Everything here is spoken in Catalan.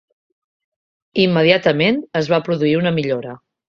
Immediatament es va produir una millora.